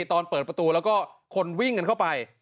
ตอนเปิดประตูแล้วก็คนวิ่งกันเข้าไป